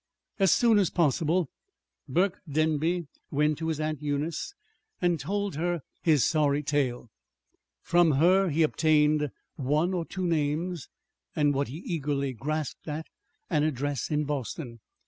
As soon as possible Burke Denby went to his Aunt Eunice and told her his sorry tale. From her he obtained one or two names, and what he eagerly grasped at an address in Boston.